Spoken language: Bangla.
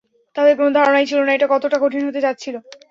তাদের কোন ধারণাই ছিল না এটা কতটা কঠিন হতে যাচ্ছিল।